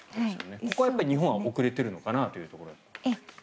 これはやっぱり日本は遅れているのかなというところですか。